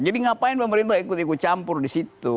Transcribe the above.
jadi ngapain pemerintah ikut ikut campur disitu